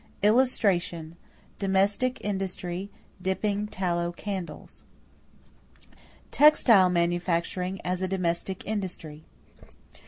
[Illustration: DOMESTIC INDUSTRY: DIPPING TALLOW CANDLES] =Textile Manufacture as a Domestic Industry.